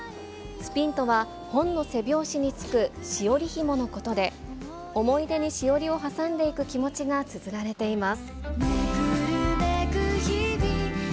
スピンとは、本の背表紙につくしおりひものことで、思い出にしおりを挟んでいく気持ちがつづられています。